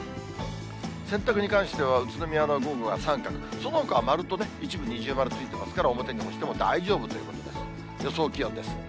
洗濯に関しては、宇都宮の午後は三角、そのほかは丸とね、一部二重丸ついてますから、表に干しても大丈夫ということで、予想気温です。